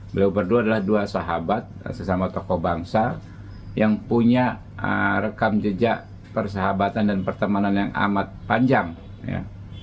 beliau berdua adalah dua sahabat sesama tokoh bangsa yang punya rekam jejak persahabatan dan pertemanan yang amat panjang ya